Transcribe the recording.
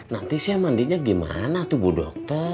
nanti sih mandinya gimana tuh bu dokter